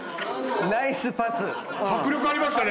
迫力ありましたね。